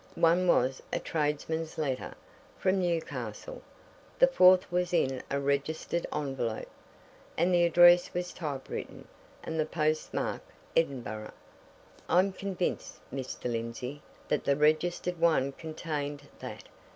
One was a tradesman's letter from Newcastle. The fourth was in a registered envelope and the address was typewritten and the post mark Edinburgh. I'm convinced, Mr. Lindsey, that the registered one contained that!